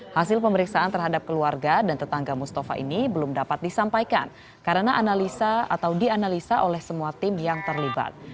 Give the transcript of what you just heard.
hasil pemeriksaan terhadap keluarga dan tetangga mustafa ini belum dapat disampaikan karena analisa atau dianalisa oleh semua tim yang terlibat